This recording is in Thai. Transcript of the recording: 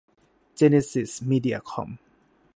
เจเนซิส มีเดียคอม